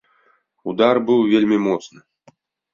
Удар быў вельмі моцны.